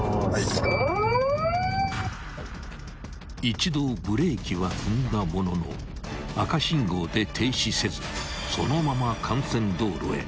［一度ブレーキは踏んだものの赤信号で停止せずそのまま幹線道路へ］